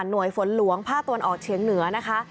หน่วยฝนหลวงพ่าตวนออกเฉียงเหนือนะคะ